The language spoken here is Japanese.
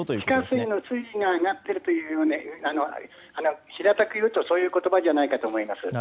地下水の水位が上がっているという平たくいうとそういうことじゃないかと思います。